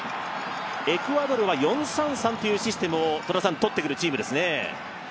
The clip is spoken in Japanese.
エクアドルは４−３−３というシステムを取ってくるチームですね。